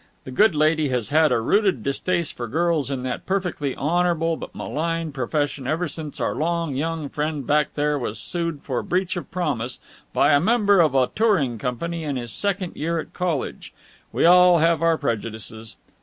The good lady has had a rooted distaste for girls in that perfectly honourable but maligned profession ever since our long young friend back there was sued for breach of promise by a member of a touring company in his second year at college. We all have our prejudices.